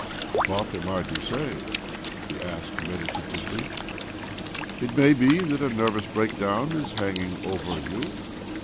"What am I to say?" he asked medita tively. " It may be that a nervous break down is hanging over you.